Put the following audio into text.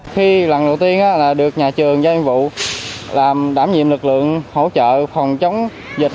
khi lần đầu tiên là được nhà trường giao nhiệm vụ làm đảm nhiệm lực lượng hỗ trợ phòng chống dịch